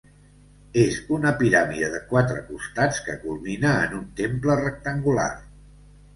És una piràmide de quatre costats que culmina en un temple rectangular.